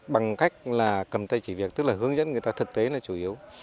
bằng cách là cầm tay chỉ việc tức là hướng dẫn người ta thực tế là chủ yếu